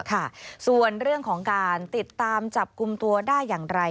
ส่วนเรื่องของการติดตามจับกลุ่มตัวได้อย่างไร